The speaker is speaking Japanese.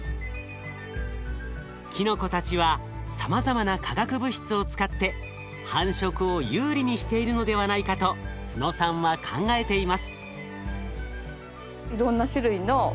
キノコたちはさまざまな化学物質を使って繁殖を有利にしているのではないかと都野さんは考えています。